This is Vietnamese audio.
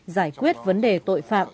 giải quyết vấn đề tội phạm